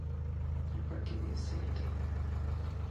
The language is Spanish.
El parque de St.